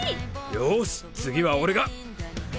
よし次は俺が！